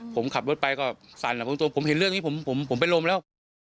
ผมขับรถไปก็สั่นหลังตัวผมเห็นเลือดที่นี่ผมเป็นลมแล้ว